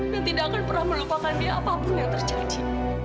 dan tidak akan pernah melupakan dia apapun yang terjadi